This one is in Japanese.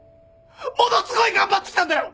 ものすごい頑張ってきたんだよ！